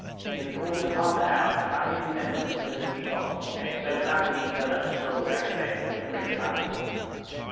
In the course of half an hour the family resemblance was totally lost; they had so battered each other, and struggled out of their original regularity.